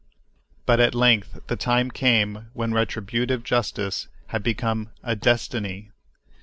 But at length the time came when retributive justice had become "a destiny."